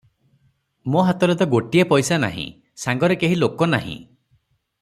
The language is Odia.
ମୋ ହାତରେ ତ ଗୋଟିଏ ପଇସା ନାହିଁ, ସାଙ୍ଗରେ କେହି ଲୋକ ନାହିଁ ।